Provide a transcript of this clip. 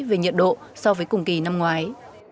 về nhiệt độ so với cùng kỳ năm ngoái